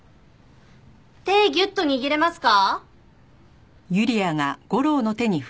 手ギュッと握れますか？